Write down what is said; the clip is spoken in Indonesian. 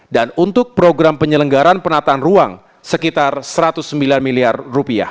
dan untuk program penyelenggaran penataan ruang sekitar satu ratus sembilan miliar rupiah